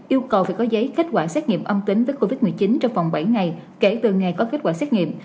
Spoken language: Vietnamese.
yêu cầu phải có giấy kết quả xét nghiệm âm tính với covid một mươi chín trong vòng bảy ngày kể từ ngày có kết quả xét nghiệm